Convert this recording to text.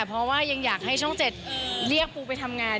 เพราะว่ายังอยากให้ช่อง๗เรียกปูไปทำงาน